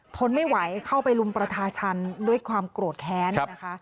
ทนไม่ไหวเข้าไปรุมประชาชันด้วยความโกรธแค้นนะคะ